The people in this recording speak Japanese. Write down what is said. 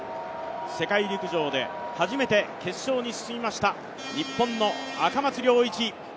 世界陸上で初めて決勝に進みました、日本の赤松諒一。